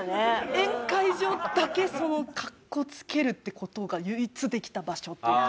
宴会場だけかっこつけるって事が唯一できた場所っていうか。